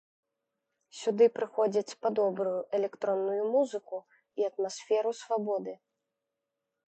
Сюды прыходзяць па добрую электронную музыку і атмасферу свабоды.